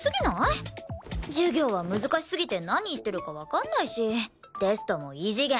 授業は難しすぎて何言ってるかわかんないしテストも異次元。